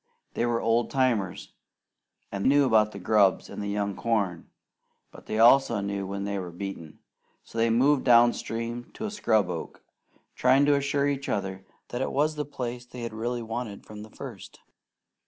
They were old timers, and knew about the grubs and the young corn; but they also knew when they were beaten, so they moved down stream to a scrub oak, trying to assure each other that it was the place they really had wanted from the first.